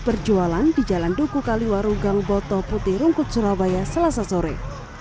berjualan di jalan duku kaliwarugang botol putih rungkut surabaya selasa sore